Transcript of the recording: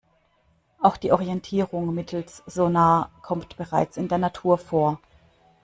Auch die Orientierung mittels Sonar kommt bereits in der Natur vor.